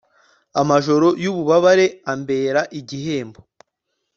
amajoro y'ububabare ambera igihembo